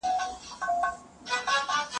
چې د توپان د قهرجنو اسونو لاره نیسي